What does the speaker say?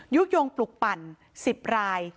ยุโยงปลุกปั่น๑๐ราย